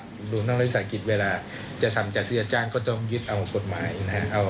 โดยนักวิทยาลัยศาสตร์อังกฤษเวลาจะทำจัดซื้อจัดจ้างก็ต้องยึดเอากฎหมายนะค่ะ